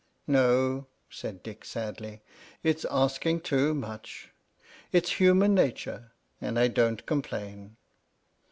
" No," said Dick, sadly, " it 's asking too much. It's human nature, and I don't complain!"